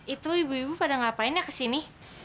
itu ibu ibu pada ngapain ya kesini